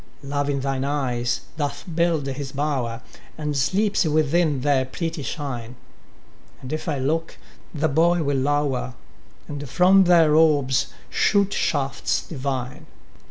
Love in thine eyes doth build his bower, And sleeps within their pretty shine; And if I look, the boy will lower, And from their orbs shoot shafts divine.